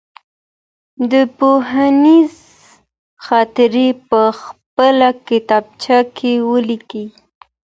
د پوهنځي خاطرې په خپله کتابچه کي ولیکئ.